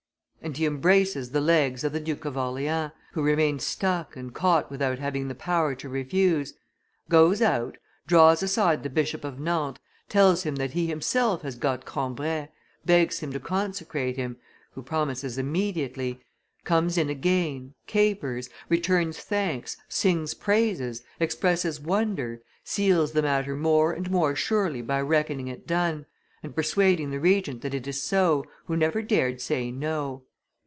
And he embraces the legs of the Duke of Orleans, who remains stuck and caught without having the power to refuse, goes out, draws aside the Bishop of Nantes, tells him that he himself has got Cambrai, begs him to consecrate him, who promises immediately, comes in again, capers, returns thanks, sings praises, expresses wonder, seals the matter more and more surely by reckoning it done, and persuading the Regent that it is so, who never dared say no.